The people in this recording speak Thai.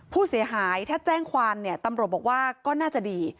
ผู้เสียหายถ้าแจ้งความเนี่ยตำรวจบอกว่าก็น่าจะดี